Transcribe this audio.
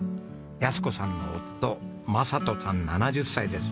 安子さんの夫正人さん７０歳です。